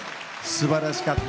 すばらしかった。